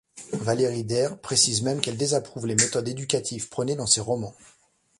Valérie Dayre précise même qu'elle désapprouve les méthodes éducatives prônées dans ses romans.